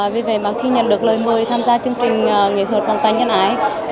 vì vậy mà khi nhận được lời mời tham gia chương trình nghệ thuật bằng tay nhân ái